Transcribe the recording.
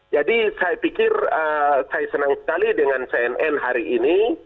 jadi saya pikir saya senang sekali dengan cnn hari ini